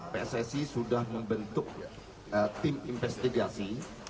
pssi sudah membentuk tim investigasi